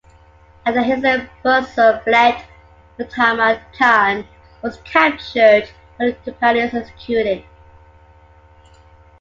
After Hasan Buzurg fled, Muhammad Khan was captured by the Chupanids and executed.